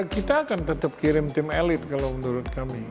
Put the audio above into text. kita akan tetap kirim tim elit kalau menurut kami